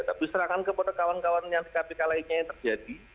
tapi serangan kepada kawan kawan yang di kpk lainnya yang terjadi